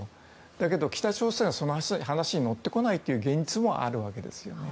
だけど、北朝鮮はその話に乗ってこないという現実もあるわけです。